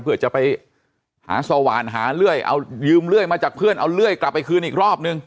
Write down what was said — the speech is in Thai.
เพื่อจะไปหาสว่านหาเลื่อยเอายืมเลื่อยมาจากเพื่อนเอาเลื่อยกลับไปคืนอีกรอบนึง